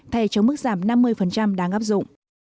thay chống mức giảm năm mươi đáng áp dụng